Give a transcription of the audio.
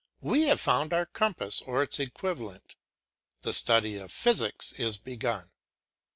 we have found our compass or its equivalent; the study of physics is begun.